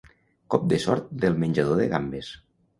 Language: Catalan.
Cop de sort del menjador de gambes.